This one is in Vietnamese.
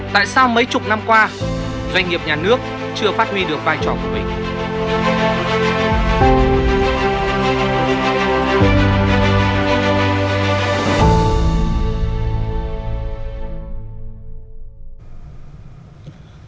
tại sao mấy chục năm qua doanh nghiệp nhà nước chưa phát huy được vai trò của mình